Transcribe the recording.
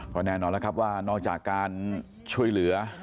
ก็แน่นอนแล้วครับว่านอกจากการช่วยเหลือ